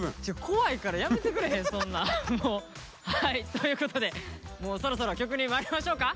怖いからやめてくれへんそんなん。ということでもうそろそろ曲にまいりましょうか。